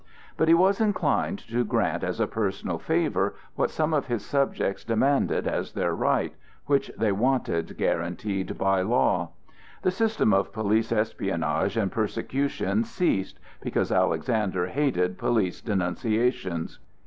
But he was inclined to grant as a personal favor what some of his subjects demanded as their right, which they wanted guaranteed by law. The system of police espionage and persecution ceased, because Alexander hated police denunciations.